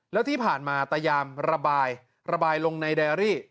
แล้วที่ผ่านมาพยายามระบายระบายลงในแดรี่